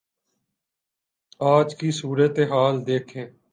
آج کی صورتحال دیکھیں۔